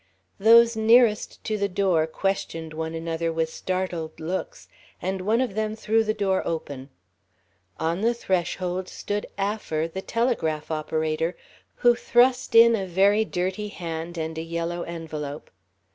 Those nearest to the door questioned one another with startled looks, and one of them threw the door open. On the threshold stood Affer, the telegraph operator, who thrust in a very dirty hand and a yellow envelope.